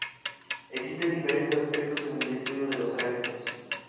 Existen diferentes aspectos en el estudio de los arácnidos.